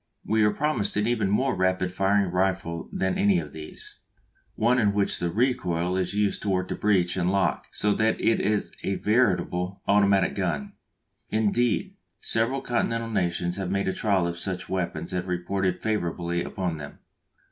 We are promised an even more rapid firing rifle than any of these, one in which the recoil is used to work the breech and lock so that it is a veritable automatic gun. Indeed, several continental nations have made trial of such weapons and reported favourably upon them.